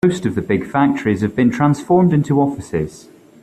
Most of the big factories have been transformed into offices.